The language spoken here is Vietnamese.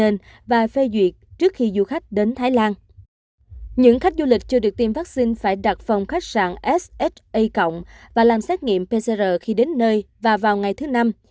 những khách du lịch chưa được tiêm vaccine phải đặt phòng khách sạn ssa cộng và làm xét nghiệm pcr khi đến nơi và vào ngày thứ năm